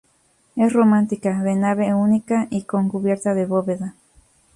Es románica, de nave única y con cubierta de bóveda.